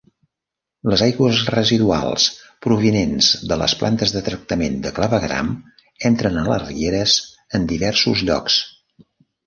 Les aigües residuals provinents de les plantes de tractament de clavegueram entren a les rieres en diversos llocs.